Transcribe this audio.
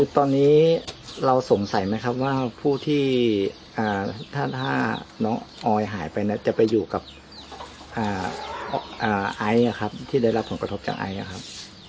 ตอนนี้เราสงสัยไหมครับว่าผู้ที่ถ้าน้องออยหายไปจะไปอยู่กับไอซ์ที่ได้รับผลกระทบจากไอซ์ครับ